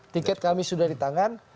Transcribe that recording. tiket kami sudah di tangan